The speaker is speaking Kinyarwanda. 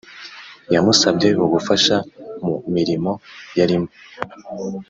yamusabye ubufasha mu mirirmo yarimo